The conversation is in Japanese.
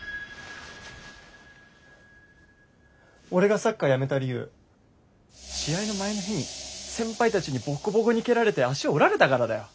俺がサッカーやめた理由試合の前の日に先輩たちにボッコボコに蹴られて足折られたからだよ。